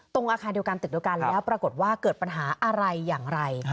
อาคารเดียวกันตึกเดียวกันแล้วปรากฏว่าเกิดปัญหาอะไรอย่างไร